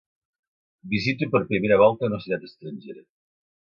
Visito per primera volta una ciutat estrangera